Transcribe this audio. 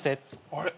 あれ？